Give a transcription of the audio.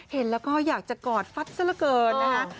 เห็นแล้วก็อยากจะกอดฟัดซะละเกินนะคะ